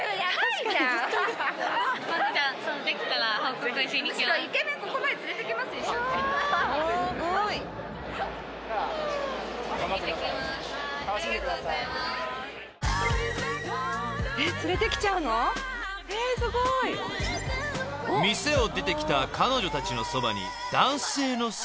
［店を出てきた彼女たちのそばに男性の姿が］